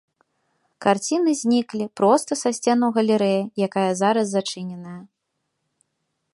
Карціны зніклі проста са сценаў галерэі, якая зараз зачыненая.